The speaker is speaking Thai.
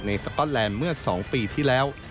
สก๊อตแลนด์เมื่อ๒ปีที่แล้ว